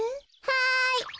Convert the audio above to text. はい。